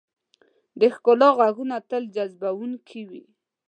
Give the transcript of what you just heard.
د ښکلا ږغونه تل جذبونکي وي.